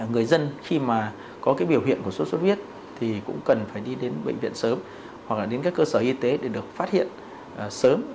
người dân khi mà có cái biểu hiện của sốt xuất huyết thì cũng cần phải đi đến bệnh viện sớm hoặc là đến các cơ sở y tế để được phát hiện sớm